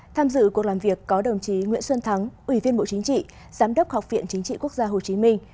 tham dự cuộc làm việc có đồng chí nguyễn xuân thắng ủy viên bộ chính trị giám đốc học viện chính trị quốc gia hồ chí minh